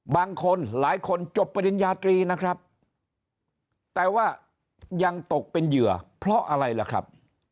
บางคนหลายคนจบปริญญาตรีนะครับแต่ว่ายังตกเป็นเหยื่อเพราะอะไรล่ะครับ